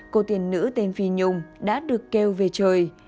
cô tiền nữ tên phi nhung đã được kêu về trời